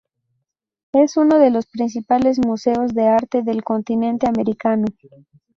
Es uno de los principales museos de arte del continente americano.